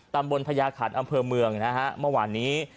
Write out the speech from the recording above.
ตำบวนพญาขาดอำเภอเมืองเมื่อวันนี้